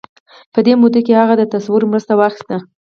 په دې موده کې هغه د تصور مرسته واخيسته.